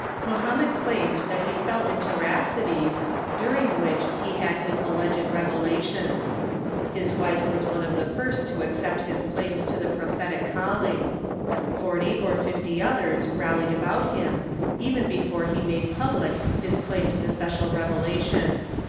Mohammed claimed that he fell into rhapsodies, during MOHAMMEDANISM 117 wliich he had his alleged revelations. His wife was one of the first to accept his claims to the prophetic call Mo^hammed ^"S Forty or fifty others rallied about him, even before he made public his claims to special revela tion.